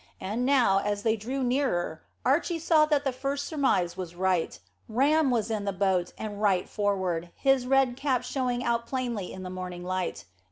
And now, as they drew nearer, Archy saw that his first surmise was right: Ram was in the boat, and right forward, his red cap showing out plainly in the morning light.